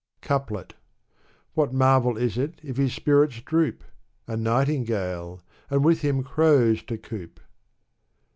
Couplet. What marvel is it if his spirits droop? A nightingale — and with him crows to coop